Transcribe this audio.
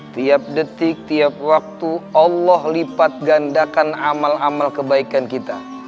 tiap detik tiap waktu allah lipat gandakan amal amal kebaikan kita